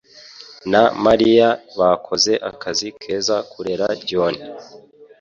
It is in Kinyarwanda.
na Mariya bakoze akazi keza kurera John.